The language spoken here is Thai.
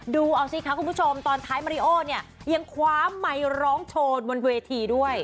ดูเอาสิคะคุณผู้ชมตอนท้ายมาริโอเนี่ยยังคว้าไมค์ร้องโชว์บนเวทีด้วย